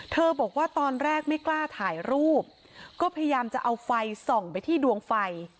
บอกว่าตอนแรกไม่กล้าถ่ายรูปก็พยายามจะเอาไฟส่องไปที่ดวงไฟ